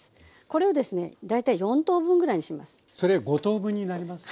これをですね大体４等分ぐらいにします。